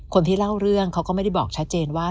คนที่เล่าเรื่องเขาก็ไม่ได้บอกชัดเจนว่า